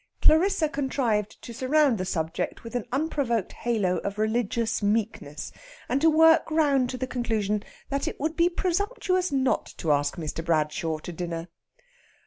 Clarissa contrived to surround the subject with an unprovoked halo of religious meekness, and to work round to the conclusion that it would be presumptuous not to ask Mr. Bradshaw to dinner.